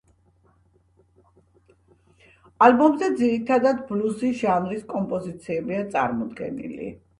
ალბომზე ძირითადად ბლუზის ჟანრის კომპოზიციებია წარმოდგენილი.